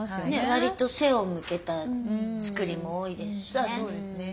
わりと背を向けた造りも多いですしね。